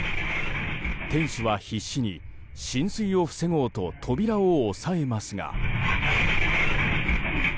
店主は必死に浸水を防ごうと扉を押さえますが。